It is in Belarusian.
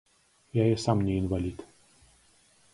Я і сам не інвалід.